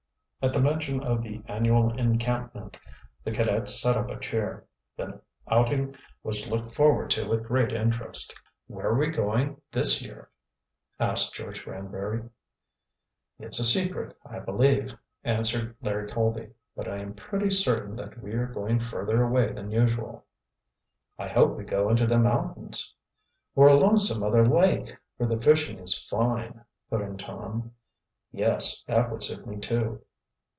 At the mention of the annual encampment the cadets set up a cheer. The outing was looked forward to with great interest. "Where are we going this year?" asked George Granbury. "It's a secret, I believe," answered Larry Colby. "But I am pretty certain that we are going further away than usual." "I hope we go into the mountains." "Or along some other lake, where the fishing is fine," put in Tom. "Yes, that would suit me, too."